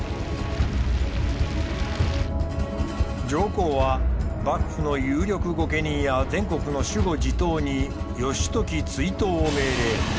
上皇は幕府の有力御家人や全国の守護地頭に義時追討を命令。